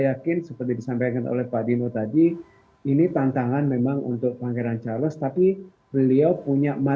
yakin seperti disampaikan oleh pak dino tadi ini tantangan memang untuk pangeran charles tapi beliau punya